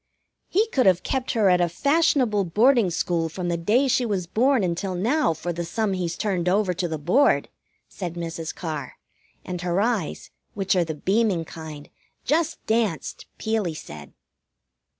"He could have kept her at a fashionable boarding school from the day she was born until now for the sum he's turned over to the Board," said Mrs. Carr, and her eyes, which are the beaming kind, just danced, Peelie said.